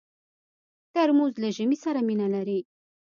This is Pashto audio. ترموز له ژمي سره مینه لري.